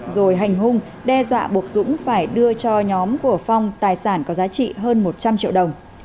rồi hành hung đe dọa buộc dũng phải đưa cho nhóm của phong tài sản có giá trị hơn một trăm linh triệu đồng